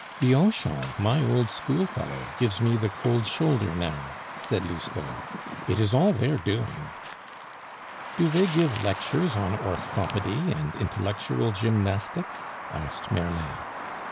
"Bianchon, my old schoolfellow, gives me the cold shoulder now," said Lousteau; "it is all their doing " "Do they give lectures on orthopedy and intellectual gymnastics?" asked Merlin.